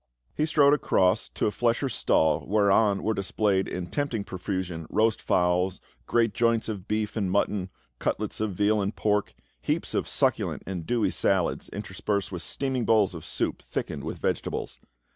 He strode across to a flesher's stall whereon were displayed in tempting profusion roast fowls, great joints of beef and mutton, cutlets of veal and pork, heaps of succulent and dewy salads, interspersed with steaming bowls of soup thickened with vegetables.